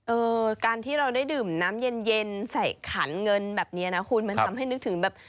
เออการที่เราได้ดื่มน้ำเย็นเย็นใส่ขันเงินแบบนี้นะคุณมันทำให้นึกถึงแบบ